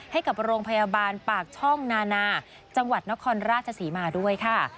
ให้กับโรงพยาบาลปากช่องนานาจังหวัดนครราชศรีมาด้วยค่ะ